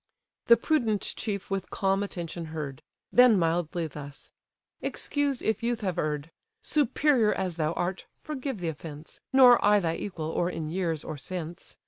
The prudent chief with calm attention heard; Then mildly thus: "Excuse, if youth have err'd; Superior as thou art, forgive the offence, Nor I thy equal, or in years, or sense.